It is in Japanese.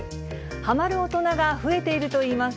はまる大人が増えているといいます。